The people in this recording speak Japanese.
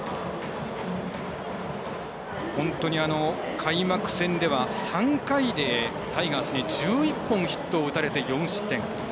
本当に開幕戦では３回でタイガースに１１本ヒットを打たれて４失点。